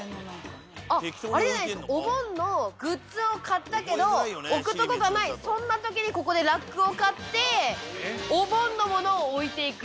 あっあれじゃないですかお盆のグッズを買ったけど置くとこがないそんな時にここでラックを買ってお盆のものを置いていく。